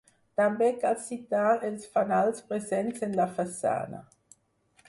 També cal citar els fanals presents en la façana.